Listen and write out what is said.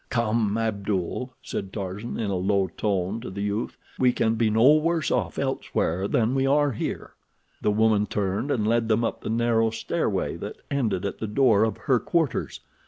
"Come, Abdul," said Tarzan, in a low tone, to the youth; "we can be no worse off elsewhere than we are here." The woman turned and led them up the narrow stairway that ended at the door of her quarters.